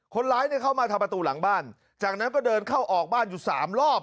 คนร้ายเนี่ยเข้ามาทำประตูหลังบ้านจากนั้นก็เดินเข้าออกบ้านอยู่สามรอบ